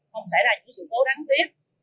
không xảy ra những sự thấu đắng tiếp